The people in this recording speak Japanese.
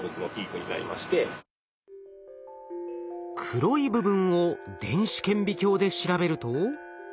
黒い部分を電子顕微鏡で調べると。